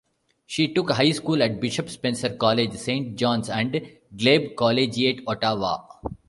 She took high school at Bishop Spencer College, Saint John's, and Glebe Collegiate, Ottawa.